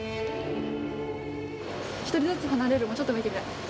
一人ずつ離れるのもちょっと見てみたい。